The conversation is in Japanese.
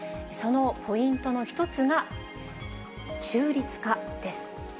そのポイントの一つが、中立化です。